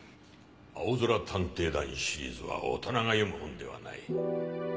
『あおぞら探偵団』シリーズは大人が読む本ではない。